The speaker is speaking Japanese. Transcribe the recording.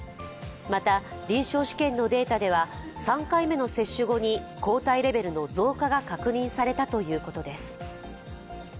また臨床試験のデータでは３回目の接種後に抗体レベルの増加が確認されたということです。